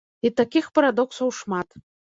І такіх парадоксаў шмат.